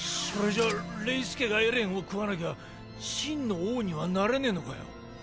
それじゃあレイス家がエレンを食わなきゃ真の王にはなれねぇのかよ？